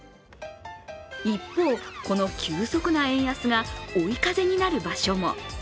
一方、この急速な円安が追い風になる場所も。